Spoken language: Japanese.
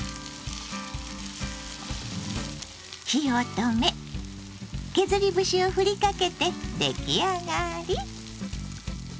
火を止め削り節をふりかけてできあがり！